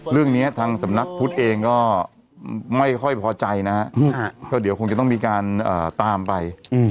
เรื่องนี้ทางสำนักพุทธเองก็ไม่ค่อยพอใจนะฮะก็เดี๋ยวคงจะต้องมีการตามไป